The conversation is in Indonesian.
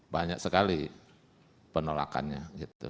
banyak sekali penolakannya